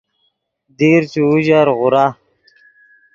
دیر چے اوژر غورا